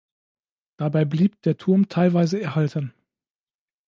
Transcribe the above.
Dabei blieb der Turm teilweise erhalten.